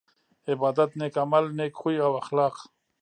عبادت نيک عمل نيک خوي او اخلاق